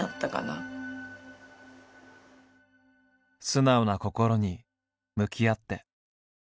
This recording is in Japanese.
素直な心に向き合って。